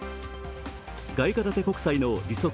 外貨建て国債の利息